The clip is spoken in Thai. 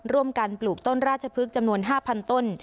ร่วมกันปลูกต้นราชพฤกษ์จำนวน๕๐๐ต้น